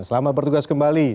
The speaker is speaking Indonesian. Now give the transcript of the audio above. selamat bertugas kembali